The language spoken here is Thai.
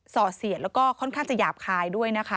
อดเสียดแล้วก็ค่อนข้างจะหยาบคายด้วยนะคะ